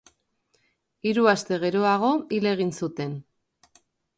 Hiru aste geroago, hil egin zuten.